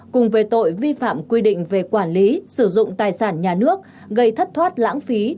cùng về tội vi phạm quy định về quản lý sử dụng tài sản nhà nước gây thất thoát lãng phí